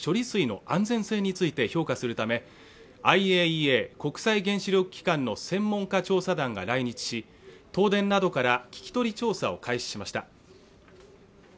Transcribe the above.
水の安全性について評価するためＩＡＥＡ＝国際原子力機関の専門家調査団が来日し東電などから聞き取り調査を開始しました。